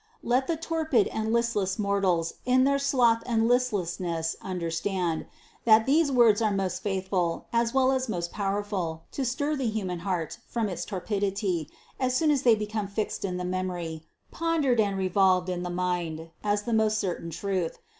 Let the torpid and listless mortals in their sloth and listlessness understand, that these words are most THE CONCEPTION 211 faithful as well as most powerful to stir the human heart from its torpidity, as soon as they become fixed in the memory, pondered and revolved in the mind as the most certain truth.